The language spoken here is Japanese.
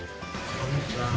こんにちは。